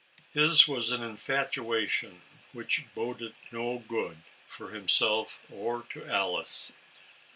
His was an infatuation, which boded no good to himself, or to Alice.